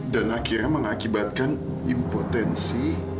dan akhirnya mengakibatkan impotensi